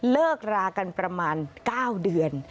เลิกรากันประมาณ๙เดือน